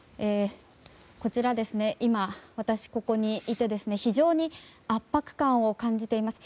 こちらに今私、ここにいて非常に圧迫感を感じています。